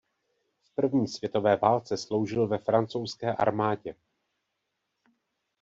V první světové válce sloužil ve francouzské armádě.